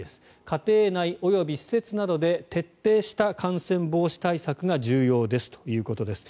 家庭内及び施設などで徹底した感染防止対策が重要ですということです。